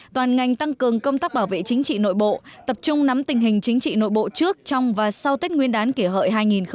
toàn ngành tăng cường công tác bảo vệ chính trị nội bộ tập trung nắm tình hình chính trị nội bộ trước trong và sau tết nguyên đán kỷ hợi hai nghìn một mươi chín